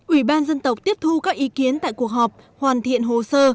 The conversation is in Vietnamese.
ủy ban dân tộc tiếp thu các ý kiến tại cuộc họp hoàn thiện hồ sơ